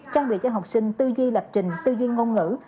trang bị cho học sinh tư duy lập trình tư duyên ngôn ngữ